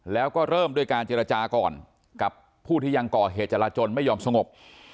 แล้วก็เริ่มด้วยการเจรจาก่อนกับผู้ที่ยังก่อเหตุจราจนไม่ยอมสงบ